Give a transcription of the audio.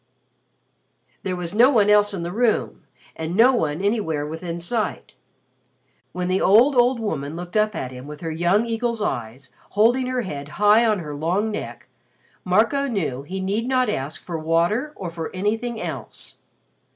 There was no one else in the room and no one anywhere within sight. When the old, old woman looked up at him with her young eagle's eyes, holding her head high on her long neck, Marco knew he need not ask for water or for anything else.